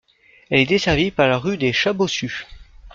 Elle est desservie par la Rue des Chats-Bossus.